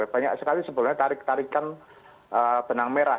banyak sekali sebenarnya tarik tarikan benang merah